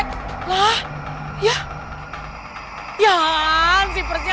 kecailan saya maen gampang ya